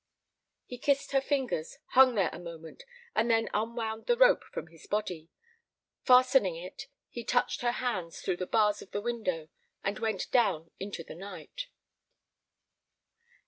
He kissed her fingers, hung there a moment, and then unwound the rope from about his body. Fastening it, he touched her hands through the bars of the window and went down into the night.